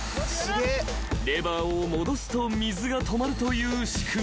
［レバーを戻すと水が止まるという仕組み］